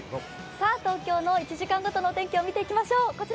東京の１時間ごとの天気を見ていきましょう。